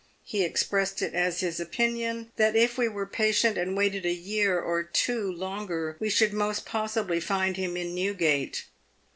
He expressed it as his opinion that if we were patient and waited a year or two longer, we should most possibly find him in Newgate.